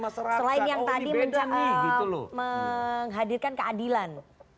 selain yang tadi menghadirkan keadilan